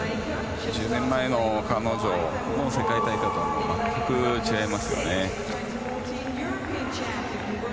１０年前の彼女の世界大会とは全く違いますよね